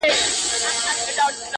o او ځينې پوښتني بې ځوابه وي تل,